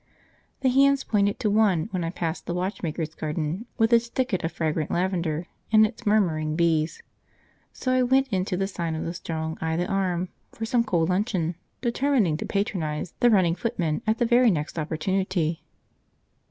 The hands pointed to one when I passed the watchmaker's garden with its thicket of fragrant lavender and its murmuring bees; so I went in to the sign of the "Strong i' the Arm" for some cold luncheon, determining to patronise "The Running Footman" at the very next opportunity.